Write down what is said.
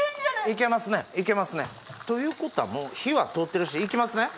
いけますねいけますねということはもう火は通ってるしいきますね